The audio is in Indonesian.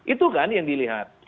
itu kan yang dilihat